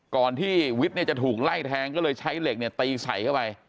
ก่อนที่วิทย์จะถูกไล่แทงก็เลยใช้เหล็กเนี่ยตีใส่เข้าไป